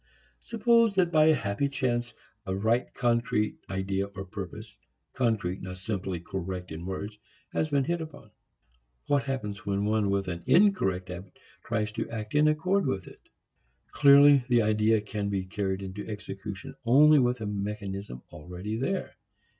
Suppose that by a happy chance a right concrete idea or purpose concrete, not simply correct in words has been hit upon: What happens when one with an incorrect habit tries to act in accord with it? Clearly the idea can be carried into execution only with a mechanism already there.